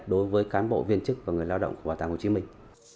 đối với cán bộ viên chức và người lao động của bảo tàng hồ chí minh